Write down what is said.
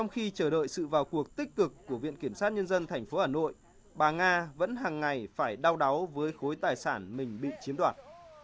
khi chờ đợi sự vào cuộc tích cực của viện kiểm sát nhân dân tp hà nội bà nga vẫn hàng ngày phải đau đáu với khối tài sản mình bị chiếm đoạt